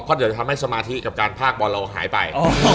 ก็เดี๋ยวจะทำให้สมาธิกับการพากบอลเราหายไป